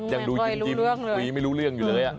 ยังดูยิ้มคุยไม่รู้เรื่องอยู่เลย